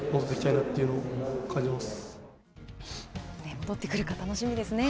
戻ってくるか楽しみですね。